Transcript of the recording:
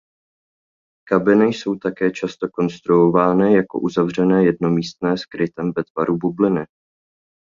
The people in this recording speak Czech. Kabiny jsou také často konstruovány jako uzavřené jednomístné s krytem ve tvaru bubliny.